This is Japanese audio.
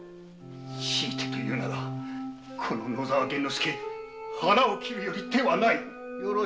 強いてと言うならこのワシは腹を切るより手はない。